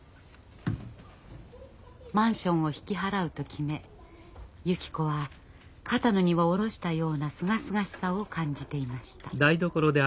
マンションを引き払うと決めゆき子は肩の荷を下ろしたようなすがすがしさを感じていました。